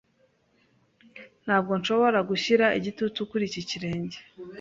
Ntabwo nshobora gushyira igitutu kuri iki kirenge.